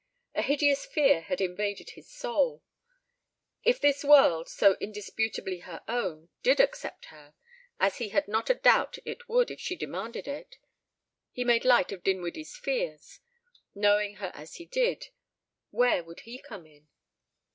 A hideous fear had invaded his soul. If this world, so indisputably her own, did accept her as he had not a doubt it would if she demanded it; he made light of Dinwiddie's fears, knowing her as he did where would he come in?